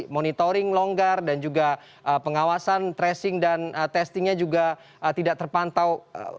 monitoring longgar dan juga pengawasan tracing dan testingnya juga tidak terpantau